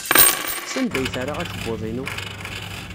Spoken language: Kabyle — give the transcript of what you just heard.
Sanda ay terra akebbuḍ-inu?